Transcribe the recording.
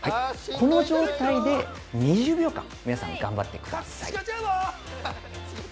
この状態で、２０秒間皆さん、頑張ってください。